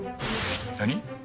何！？